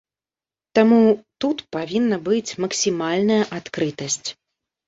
Таму тут павінна быць максімальная адкрытасць.